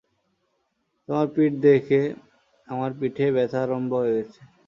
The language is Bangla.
তোমার পিঠ দেখে আমার পিঠে ব্যাথা আরাম্ব হয়ে গেছে।